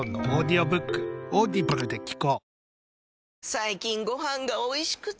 最近ご飯がおいしくて！